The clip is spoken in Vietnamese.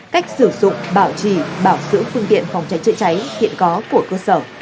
cách sử dụng bảo trì bảo dưỡng phương tiện phòng cháy chữa cháy hiện có của cơ sở